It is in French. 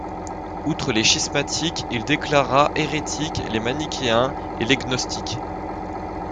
Outre les schismatiques, il déclara hérétiques les manichéens et les gnostiques.